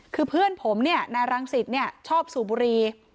คือเพื่อนผมเนี่ยนายรังสิตชอบสูบบุรี